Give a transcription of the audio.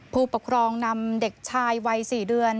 ผู้ปกครองนำเด็กชายวัย๔เดือน